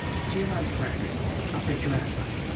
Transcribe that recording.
Geologic Record Upper Jurassic.